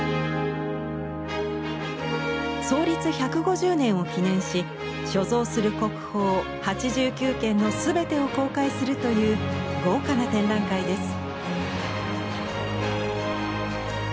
創立１５０年を記念し所蔵する国宝８９件のすべてを公開するという豪華な展覧会です。